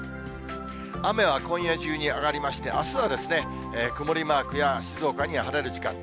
雨は今夜中に上がりまして、あすは曇りマークや、静岡には晴れる時間帯。